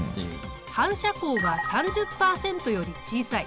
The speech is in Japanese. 反射光が３０％より小さい